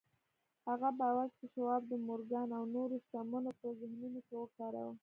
هغه باور چې شواب د مورګان او نورو شتمنو په ذهنونو کې وکاره.